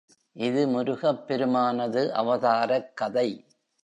இது முருகப் பெருமானது அவதாரக் கதை.